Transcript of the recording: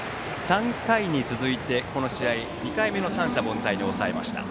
３回に続いて、この試合２回目の三者凡退に抑えました。